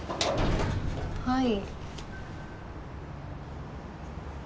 はい。